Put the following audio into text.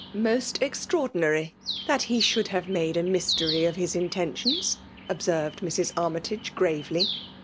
" Most extraordinary, that he should have made a mystery of his intentions," observed Mrs. Armytage, gravely.